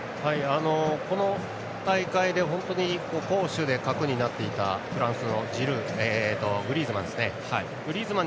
この大会で攻守で核になっていたフランスのジルー、グリーズマン。